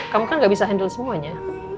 kamu kan gak bisa handle semuanya